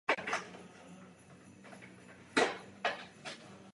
Později založil i gruzínskou Národní operu.